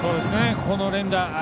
この連打